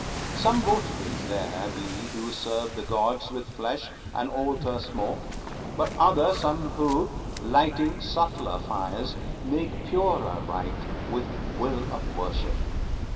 Some votaries there be who serve the gods With flesh and altar smoke; but other some Who, lighting subtler fires, make purer rite With will of worship.